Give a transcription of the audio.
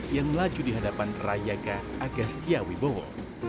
yang melaju di hadapan rayaka agastia wibowo